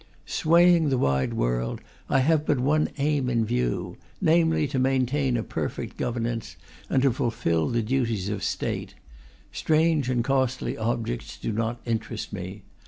Swaying the wide world, I have but one aim in view, namely, to maintain a perfect governance and to fulfil the duties of the State; strange and costly objects do not interest me.